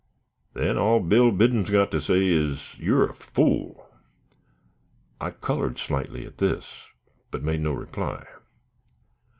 "Then, all Bill Biddon's got to say is, you're a fool." I colored slightly at this, but made no reply.